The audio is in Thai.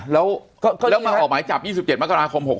แล้วมาออกหมายจับ๒๗มกราคม๖๖